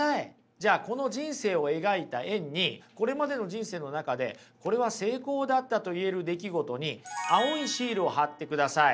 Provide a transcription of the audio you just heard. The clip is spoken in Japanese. じゃあこの人生を描いた円にこれまでの人生の中でこれは成功だったと言える出来事に青いシールを貼ってください。